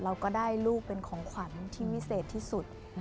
เราก็ได้ลูกเป็นของขวัญที่วิเศษที่สุด